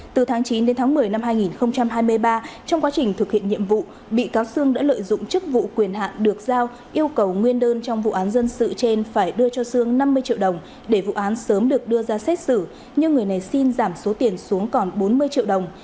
từ tháng chín đến tháng một mươi năm hai nghìn hai mươi ba trong quá trình thực hiện nhiệm vụ bị cáo sương đã lợi dụng chức vụ quyền hạn được giao yêu cầu nguyên đơn trong vụ án dân sự trên phải đưa cho sương năm mươi triệu đồng để vụ án sớm được đưa ra xét xử nhưng người này xin giảm số tiền xuống còn bốn mươi triệu đồng